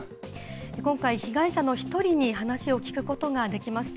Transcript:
今回、被害者の一人に話を聞くことができました。